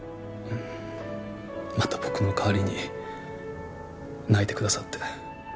また僕の代わりに泣いてくださって。